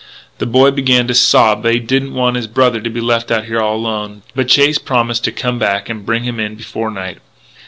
The boy began to sob that he didn't want his brother to be left out there all alone; but Chase promised to come back and bring him in before night.